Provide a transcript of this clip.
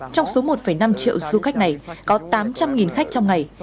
trong số một năm triệu du khách này có tám trăm linh khách trong ngày